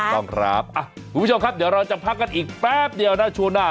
ต้องครับคุณผู้ชมครับเดี๋ยวเราจะพักกันอีกแป๊บเดียวนะช่วงหน้า